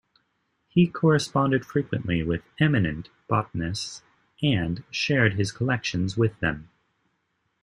He corresponded frequently with eminent botanists and shared his collections with them.